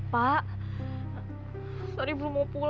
menjauh dari jepang dan regas batu